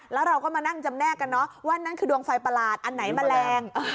แล้วเราก็มานั่งจำแนกกันเนอะว่านั่นคือดวงไฟประหลาดอันไหนแมลง